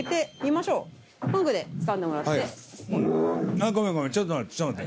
あっごめんごめんちょっと待ってちょっと待って。